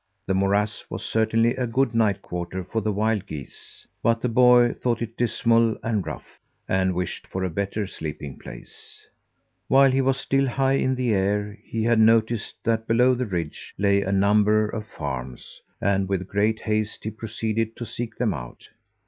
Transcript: The morass was certainly a good night quarter for the wild geese, but the boy thought it dismal and rough, and wished for a better sleeping place. While he was still high in the air, he had noticed that below the ridge lay a number of farms, and with great haste he proceeded to seek them out.